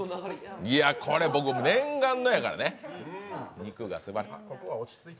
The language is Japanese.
念願のやからね、肉がすばらしい。